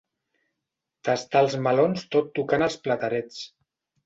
Tastar els melons tot tocant els platerets.